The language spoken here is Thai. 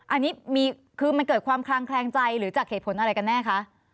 อันนี้คือมันเกิดความคลางแคลงใจหรือจากเหตุผลอะไรกันแน่คะ